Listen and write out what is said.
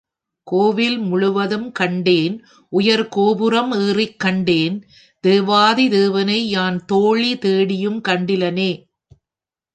கோவில் முழுதும் கண்டேன் உயர் கோபுரம் ஏறிக் கண்டேன் தேவாதி தேவனை யான் தோழி தேடியும் கண்டிலனே.